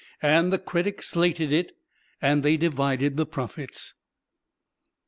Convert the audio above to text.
And the critic slated it. And they divided the profits.